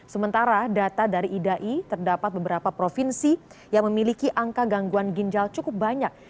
sementara data dari idai terdapat beberapa provinsi yang memiliki angka gangguan ginjal cukup banyak